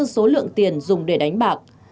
số lượng tiền dùng để đánh bạc